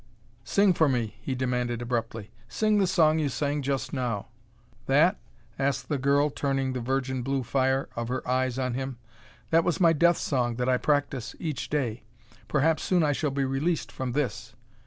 "Sing for me," he demanded abruptly. "Sing the song you sang just now." "That?" asked the girl, turning the virgin blue fire of her eyes on him. "That was my death song that I practice each day. Perhaps soon I shall be released from this."